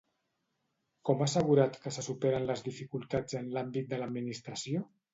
Com ha assegurat que se superen les dificultats en l'àmbit de l'administració?